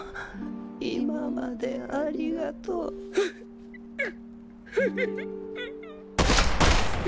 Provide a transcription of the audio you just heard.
今までありがとう。っ！うっふぅぅ！